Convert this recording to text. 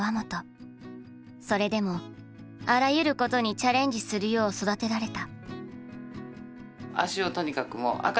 それでもあらゆることにチャレンジするよう育てられた。